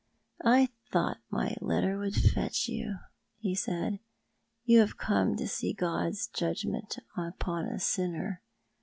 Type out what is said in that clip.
" I thought ray letter would fetch you," he said. " You have come to see God's judgment upon a sinner.